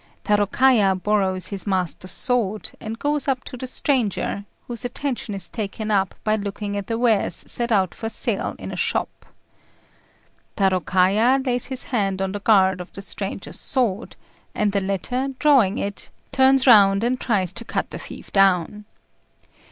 Tarôkaja borrows his master's sword, and goes up to the stranger, whose attention is taken up by looking at the wares set out for sale in a shop. Tarôkaja lays his hand on the guard of the stranger's sword; and the latter, drawing it, turns round, and tries to cut the thief down.